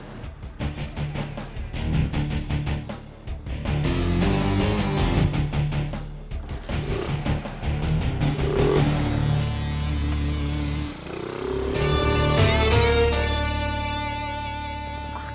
siapapun saudara kamu